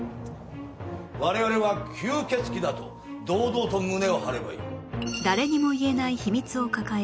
我々は吸血鬼だと堂々と胸を張ればいい。